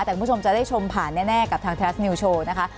แต่คุณผู้ชมจะได้ชมผ่านแน่กับทางไทยรัฐนิวโชว์นะคะ